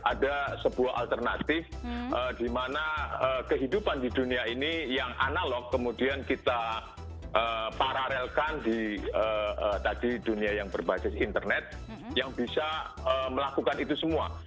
ada sebuah alternatif di mana kehidupan di dunia ini yang analog kemudian kita paralelkan di tadi dunia yang berbasis internet yang bisa melakukan itu semua